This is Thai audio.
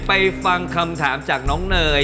ฟังคำถามจากน้องเนย